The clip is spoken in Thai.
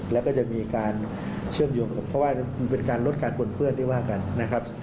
แล้วก็จะมีการเชื่อมโยงเพราะว่าเป็นการลดการปนเปื้อนที่ว่ากันนะครับ